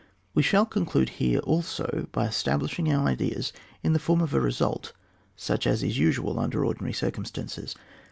We shall conclude here also by estab lishing our ideas in the form of a result, such as ia usual under ordinary circum stances.